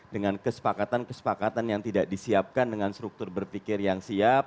dengan kesepakatan kesepakatan yang tidak disiapkan dengan struktur berpikir yang siap